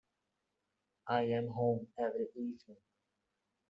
I'm home every evening.